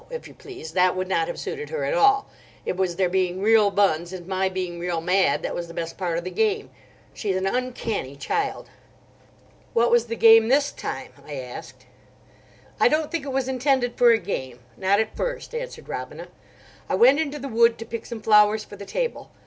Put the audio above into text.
if you please, that would not have suited her at all. It was their being real buns, and my being real mad, that was the best part of the game. She is an uncanny child." "What was the game this time?" I asked. "I don't think it was intended for a game—not at first," answered Robina. "I went into the wood to pick some flowers for the table.